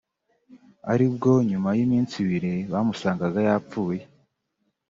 ari bwo nyuma y’iminsi ibiri bamusangaga yapfuye